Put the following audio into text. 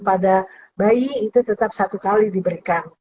pada bayi itu tetap satu kali diberikan